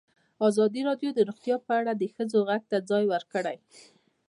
ازادي راډیو د روغتیا په اړه د ښځو غږ ته ځای ورکړی.